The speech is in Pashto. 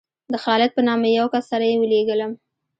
د خالد په نامه یو کس سره یې ولېږلم.